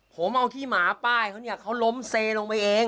ผมเอาขี้หมาป้ายเขาเนี่ยเขาล้มเซลงไปเอง